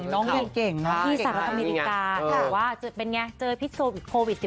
น้องนี่เก่งนะที่สระอเมริกาว่าจะเป็นไงเจอพิสูจน์โควิด๑๙